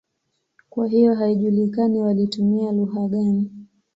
Kwa hiyo haijulikani walitumia lugha gani.